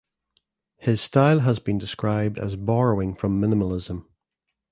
His style has been described as borrowing from Minimalism.